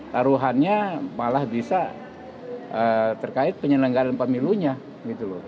taruhannya malah bisa terkait penyelenggaran pemilunya gitu loh